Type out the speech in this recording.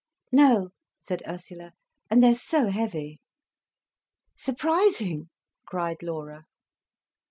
"No," said Ursula. "And they're so heavy." "Surprising!" cried Laura.